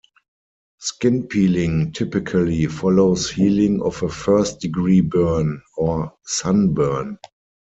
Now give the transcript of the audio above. Skin peeling typically follows healing of a first degree burn or sunburn.